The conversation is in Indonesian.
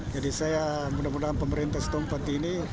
jadi saya mudah mudahan pemerintah setempat ini